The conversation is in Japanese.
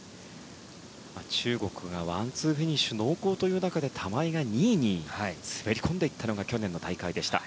中国がワンツーフィニッシュ濃厚という中で、玉井が２位に滑り込んでいったのが去年の大会でした。